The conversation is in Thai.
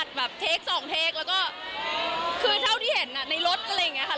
แบบเทคสองเทคแล้วก็คือเท่าที่เห็นในรถอะไรอย่างนี้ค่ะ